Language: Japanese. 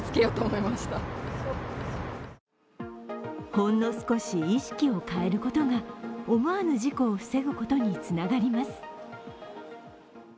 ほんの少し、意識を変えることが思わぬ事故を防ぐことにつながります。